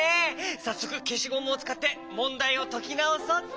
さっそくけしゴムをつかってもんだいをときなおそうっと！